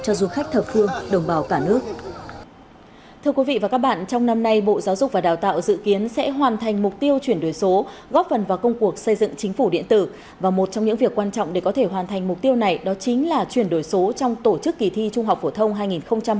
trong năm nay bộ giáo dục và đào tạo dự kiến sẽ hoàn thành mục tiêu chuyển đổi số góp phần vào công cuộc xây dựng chính phủ điện tử và một trong những việc quan trọng để có thể hoàn thành mục tiêu này đó chính là chuyển đổi số trong tổ chức kỳ thi trung học phổ thông hai nghìn hai mươi ba